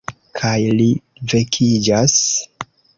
Kaj li vekiĝas.